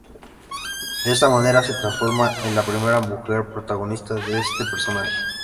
De esta manera, se transforma en la primera mujer protagonista de este personaje.